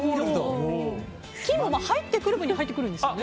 金も、入ってくる分には入ってくるんですよね？